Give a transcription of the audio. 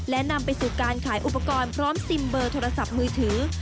และนำไปสู่การขายอุปกรณ์พร้อมซิมเบอร์โทรศัพท์มือถือ